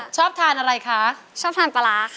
ชอบทำปลาร้าค่ะ